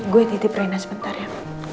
gue titip rainnya sebentar ya